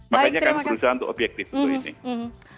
makanya kami berusaha untuk objektif untuk ini